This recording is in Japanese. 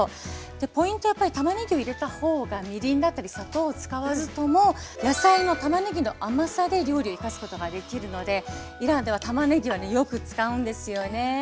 ポイントはたまねぎを入れたほうがみりんだったり砂糖を使わずとも野菜のたまねぎの甘さで料理を生かすことができるのでイランではたまねぎはねよく使うんですよね。